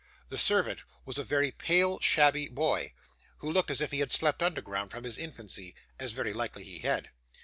The servant was a very pale, shabby boy, who looked as if he had slept underground from his infancy, as very likely he had.